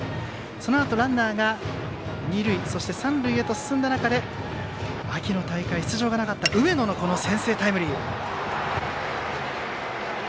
そのあとランナーが二塁、三塁へと進んだ中で秋の大会、出場がなかった上野の先制タイムリー。